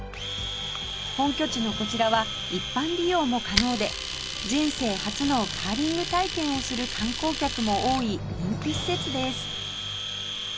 本拠地のこちらは一般利用も可能で人生初のカーリング体験をする観光客も多い人気施設です